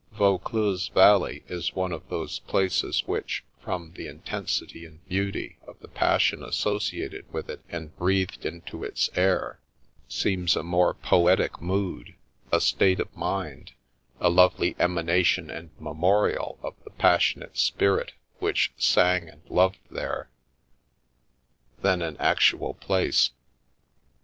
Vaucluse valley is one of those places which, from the intensity and beauty of the passion associated with it and breathed into its air, seems a more poetic mood, a state of mind, a lovely emanation and memorial of the passionate spirit which sang and loved there, than an Via Amoris actual place.